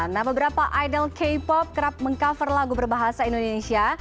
nah beberapa idol k pop kerap meng cover lagu berbahasa indonesia